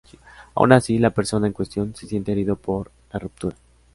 Aun así, la persona en cuestión se siente herido por la ruptura.